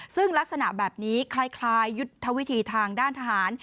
ซึ่งลักษณะแบบนี้คล้ายยุทธวิธีทางด้านทหาร